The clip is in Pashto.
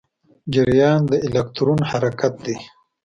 جریان د الکترون حرکت دی.